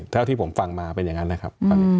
เท่าที่ผมฟังมาเป็นอย่างนั้นนะครับ